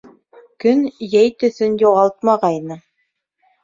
Көн йәй төҫөн юғалтмағайны.